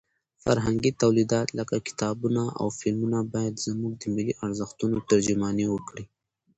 فرهنګي تولیدات لکه کتابونه او فلمونه باید زموږ د ملي ارزښتونو ترجماني وکړي.